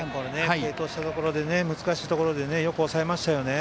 継投したところで難しいところでよく抑えましたよね。